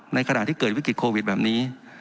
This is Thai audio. ในขณะที่เกิดวิกฤตโควิดแบบนี้